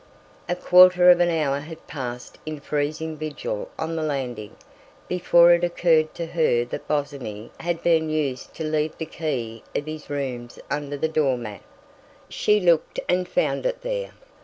A quarter of an hour had passed in freezing vigil on the landing, before it occurred to her that Bosinney had been used to leave the key of his rooms under the door mat. She looked and found it there.